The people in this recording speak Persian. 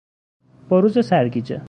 بروز سرگیجه